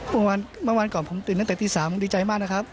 เมื่อวานก่อนผมตื่นตั้งแต่ตี๓ผมดีใจมากนะครับ